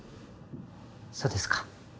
そうですか。